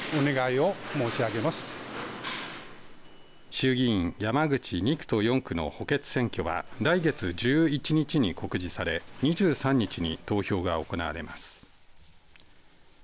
衆議院山口２区と４区の補欠選挙は来月１１日に告示され２３日に投票が行われます。